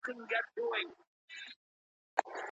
ولې ملي سوداګر کرنیز ماشین الات له پاکستان څخه واردوي؟